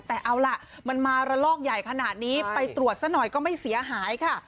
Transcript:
แต่เอาล่ะมันมาระลอกใหญ่ขนาดนี้ไปตรวจซะหน่อยก็ไม่เสียหายค่ะ